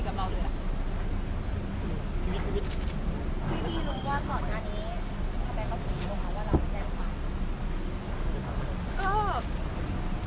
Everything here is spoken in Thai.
จะได้มีการโทรติดต่อใครหรือได้คุยกับใครของคุณป้าค่ะค่ะ